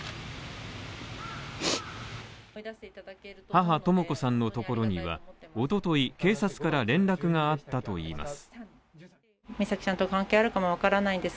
母・とも子さんのところには、おととい警察から連絡があったといいます。